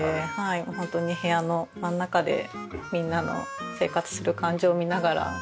ホントに部屋の真ん中でみんなの生活する感じを見ながら料理できるっていうのが。